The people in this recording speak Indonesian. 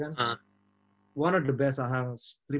dan salah satu dari yang terbaik